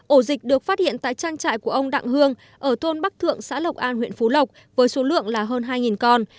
ổ dịch được phát hiện tại trang trại của ông đặng hương ở thôn bắc thượng xã lộc an huyện phú lộc với số lượng là hơn hai con